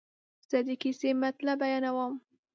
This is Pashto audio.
زه د کیسې مطلب بیانوم.